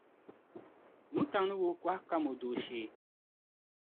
Wuntaŋa ni wuhi kɔha kam o dooshee.